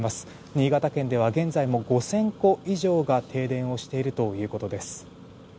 新潟県では現在も５０００戸以上が停電をしているということです。